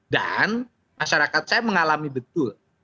dan masyarakat saya mengalami betul